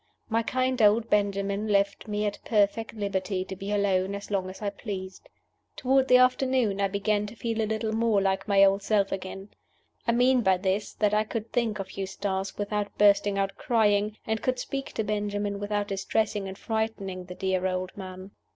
My kind old Benjamin left me at perfect liberty to be alone as long as I pleased. Toward the afternoon I began to feel a little more like my old self again. I mean by this that I could think of Eustace without bursting out crying, and could speak to Benjamin without distressing and frightening the dear old man.